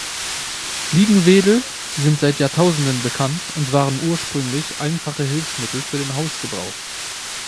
Fliegenwedel sind seit Jahrtausenden bekannt und waren ursprünglich einfache Hilfsmittel für den Hausgebrauch.